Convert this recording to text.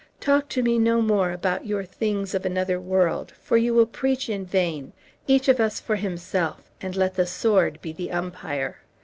Talk to me no more about your things of another world, for you will preach in vain. Each of us for himself, and let the sword be umpire."